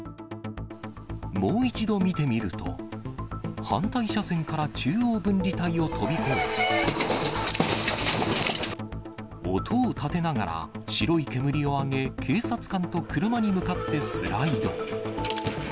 もう一度見てみると、反対車線から中央分離帯を飛び越え、音を立てながら、白い煙を上げ、警察官と車に向かってスライド。